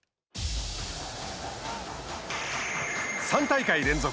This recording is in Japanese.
３大会連続